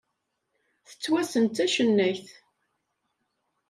Tettwassen d tacennayt.